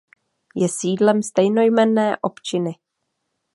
Je sídlem stejnojmenné občiny.